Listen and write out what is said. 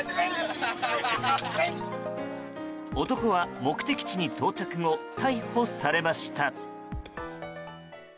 男は、目的地に到着後逮捕されました。